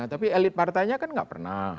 tapi elit partainya kan nggak pernah